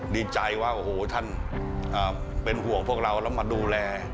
ดีใจว่าโอ้โหท่านเป็นห่วงพวกเราแล้วมาดูแล